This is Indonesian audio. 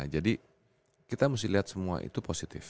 jadi kita mesti lihat semua itu positif